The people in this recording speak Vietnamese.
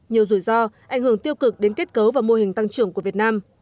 nhiều rủi ro ảnh hưởng tiêu cực đến kết cấu và mô hình tăng trưởng của việt nam